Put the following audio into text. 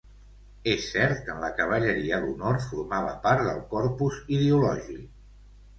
És cert que en la cavalleria l’honor formava part del corpus ideològic.